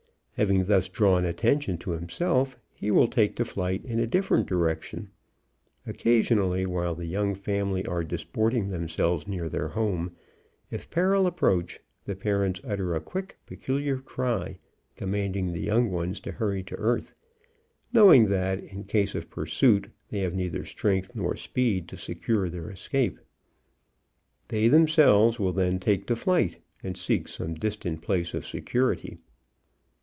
Having thus drawn attention to himself, he will take to flight in a different direction. Occasionally, while the young family are disporting themselves near their home, if peril approach, the parents utter a quick, peculiar cry, commanding the young ones to hurry to earth; knowing that, in case of pursuit, they have neither strength nor speed to secure their escape. They themselves will then take to flight, and seek some distant place of security.